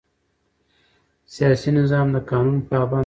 سیاسي نظام د قانون پابند دی